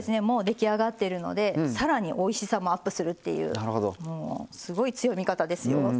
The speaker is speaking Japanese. もう出来上がってるのでさらにおいしさもアップするっていうもうすごい強い味方ですよ。